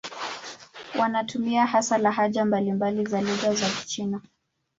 Wanatumia hasa lahaja mbalimbali za lugha ya Kichina.